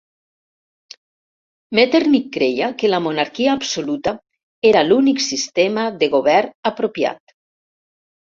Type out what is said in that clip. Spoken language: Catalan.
Metternich creia que la monarquia absoluta era l'únic sistema de govern apropiat.